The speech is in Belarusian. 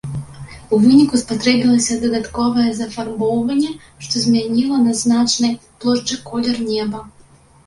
У выніку спатрэбілася дадатковае зафарбоўванне, што змяніла на значнай плошчы колер неба.